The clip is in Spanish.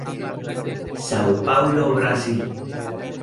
Sao Paulo, Brasil.